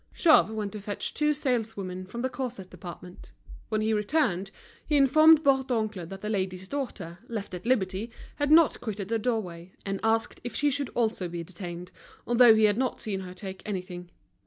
Jouve went to fetch two saleswomen from the corset department. When he returned, he informed Bourdoncle that the lady's daughter, left at liberty, had not quitted the doorway, and asked if she should also be detained, although he had not seen her take anything.